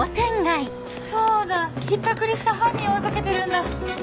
そうだひったくりした犯人を追い掛けてるんだ